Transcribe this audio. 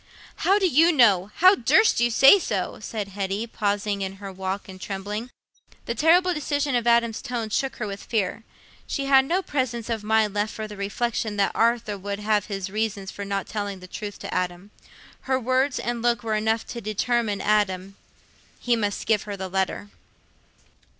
"How do you know? How durst you say so?" said Hetty, pausing in her walk and trembling. The terrible decision of Adam's tone shook her with fear. She had no presence of mind left for the reflection that Arthur would have his reasons for not telling the truth to Adam. Her words and look were enough to determine Adam: he must give her the letter.